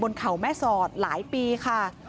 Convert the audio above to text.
บนเขาแม่สอดหลายปีค่ะ